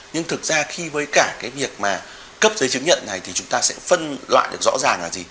nhưng thực ra khi với cả cái việc mà cấp giấy chứng nhận này thì chúng ta sẽ phân loại được rõ ràng là gì